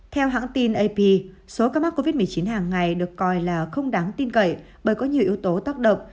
theo hãng tin ap số ca mắc covid một mươi chín hàng ngày được coi là không đáng tin cậy bởi có nhiều yếu tố tác động